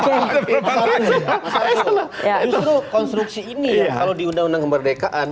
justru konstruksi ini kalau di undang undang kemerdekaan